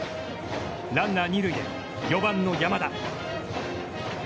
ランナー２塁で４番の山田。